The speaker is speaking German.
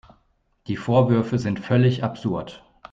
Die Vorwürfe sind völlig absurd.